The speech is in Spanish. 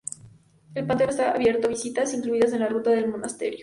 El panteón está abierto a visitas, incluidas en la ruta del monasterio.